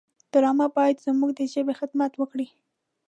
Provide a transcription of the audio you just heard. ډرامه باید زموږ د ژبې خدمت وکړي